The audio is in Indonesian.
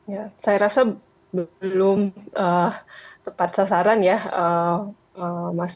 ya saya rasa belum tepat sasaran ya mas